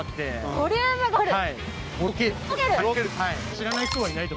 ボリュームがある！